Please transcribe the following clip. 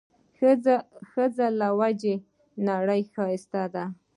ښځې له وجه د نړۍ ښايست دی